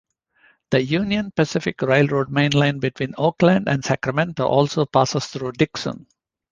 The Union Pacific Railroad mainline between Oakland and Sacramento also passes through Dixon.